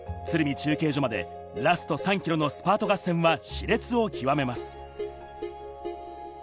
中継所までラスト３ｋｍのスパート合戦は熾烈を極めます。